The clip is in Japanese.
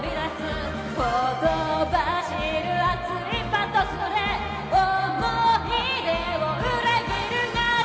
「ほとばしる熱いパトスで思い出を裏切るなら」